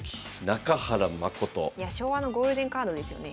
昭和のゴールデンカードですよね。